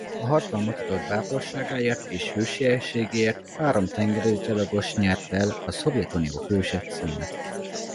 A harcban mutatott bátorságáért és hősiességéért három tengerészgyalogost nyerte el a Szovjetunió Hőse címet.